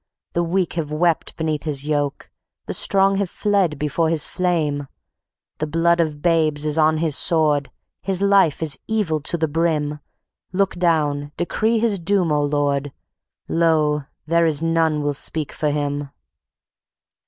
The weak have wept beneath his yoke, The strong have fled before his flame. The blood of babes is on his sword; His life is evil to the brim: Look down, decree his doom, O Lord! Lo! there is none will speak for him."